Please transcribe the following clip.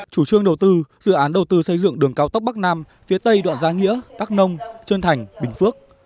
chủ trương đầu tư dự án đầu tư xây dựng đường cao tốc bắc nam phía tây đoạn gia nghĩa đắc nông trơn thành bình phước